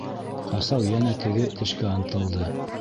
Ҡасау йәнә теге тешкә ынтылды...